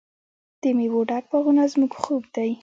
د میوو ډک باغونه زموږ خوب دی.